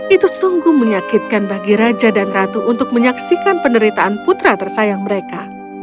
itu sungguh menyakitkan bagi raja dan ratu untuk menyaksikan penderitaan putra tersayang mereka